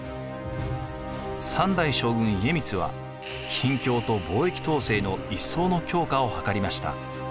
３代将軍家光は禁教と貿易統制の一層の強化を図りました。